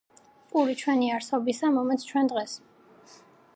პური ჩვენი არსობისა მომეც ჩუენ დღეს